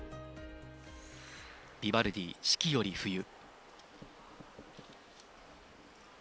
ビバルディ「四季」より「冬」。